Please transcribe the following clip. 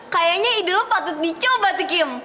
kayaknya ide lo patut dicoba tuh kim